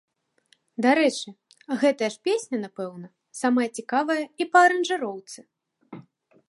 Дарэчы, гэтая ж песня, напэўна, самая цікавая і па аранжыроўцы.